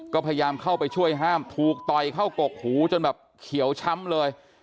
ก็พยายามเข้าไปช่วยห้ามถูกต่อยเข้ากกหูจนแบบเขียวช้ำเลย